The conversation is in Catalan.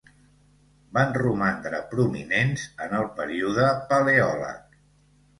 Van romandre prominents en el període Paleòleg.